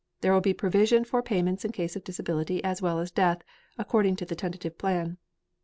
There will be provision for payments in case of disability as well as death, according to the tentative plan.